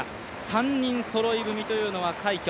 ３人そろい踏みというのは快挙。